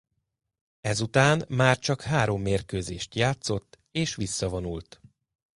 Ezután már csak három mérkőzést játszott és visszavonult.